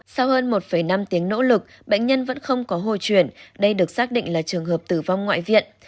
sau hơn một năm tiếng nỗ lực bệnh nhân vẫn không có hồi chuyển đây được xác định là trường hợp tử vong ngoại viện